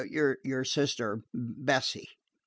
"Your your sister Bessie."